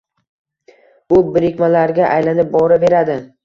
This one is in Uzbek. Bu birikmalarga aylanib boraveradi